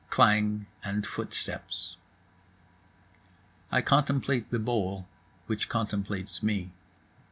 Klang and footsteps. I contemplate the bowl which contemplates me.